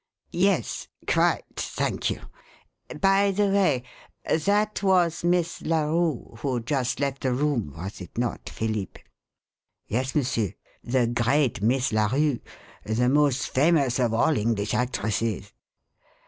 "Yes quite, thank you. By the way, that was Miss Larue who just left the room, was it not, Philippe?" "Yes, Monsieur the great Miss Larue: the most famous of all English actresses."